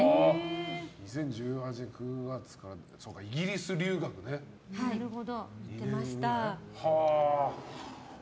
２０１８年９月からイギリス留学してたんだ。